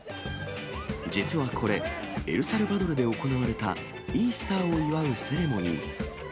実はこれ、エルサルバドルで行われた、イースターを祝うセレモニー。